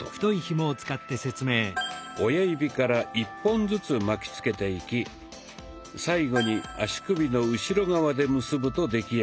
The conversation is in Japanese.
親指から１本ずつ巻きつけていき最後に足首の後ろ側で結ぶと出来上がります。